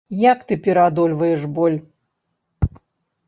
Як ты пераадольваеш боль?